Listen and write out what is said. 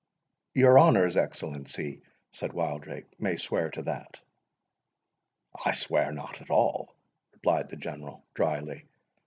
"Your Honour's Excellency," said Wildrake, "may swear to that." "I swear not at all," replied the General, drily.